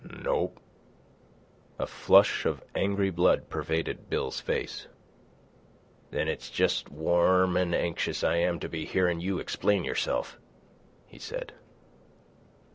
"Nope." A flush of angry blood pervaded Bill's face. "Then it's jes' warm an' anxious I am to be hearin' you explain yourself," he said.